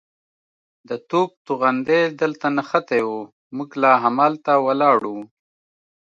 د توپ توغندی دلته نښتې وه، موږ لا همالته ولاړ وو.